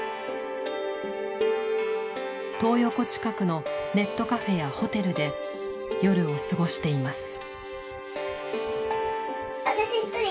トー横近くのネットカフェやホテルで夜を過ごしています。